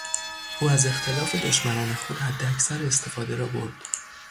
او از اختلاف دشمنان خود حداکثر استفاده را برد.